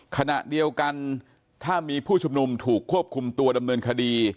ขณะเดียวกันถ้ามีผู้ชุมนุมถูกควบคุมตัวดำเนินคดี